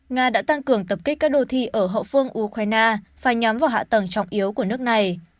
nga đã tăng cường tập kích các đồ thi ở hậu phương ukraine phải nhắm vào hạ tầng trọng yếu của nước này